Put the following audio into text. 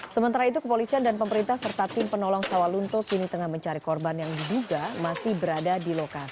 sementara itu kepolisian dan pemerintah serta tim penolong sawalunto kini tengah mencari korban yang diduga masih berada di lokasi